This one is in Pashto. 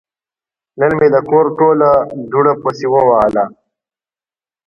نن مې د کور ټوله دوړه پسې ووهله.